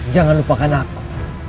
jangan lupakan aku